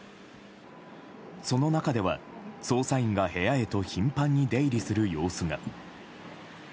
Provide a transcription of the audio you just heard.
その中では、捜査員が部屋へと頻繁に出入りする様子が。